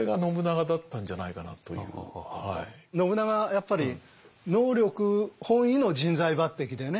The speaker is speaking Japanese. やっぱり能力本位の人材抜てきだよね。